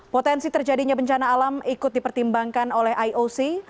potensi terjadinya bencana alam ikut dipertimbangkan oleh ioc